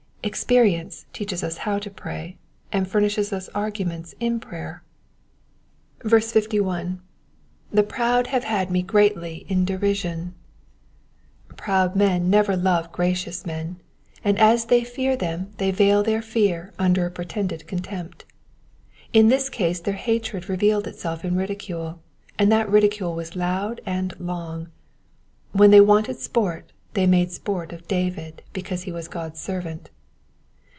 Experience teaches us how to pray, and furnishes arguments in prayer. Digitized by VjOOQIC PSALM 03SrE HUKDRED AXD laNETEEK — ^VERSES 49 TO 56. 131 51. "2%« proud have had me greatly in deruum.'*^ Proud men never love gracious men, and as they fear them they veil their fear under a pretended contempt. In this case their hatred revealed itself in ridicule, and that ridicule was loud and lon^. When they wanted sport they made sport of David because ha was God^s servant.